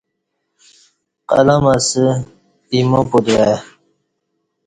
قلم اسہ ایمو پَتوا ی